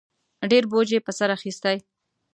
ډېر بوج یې په سر اخیستی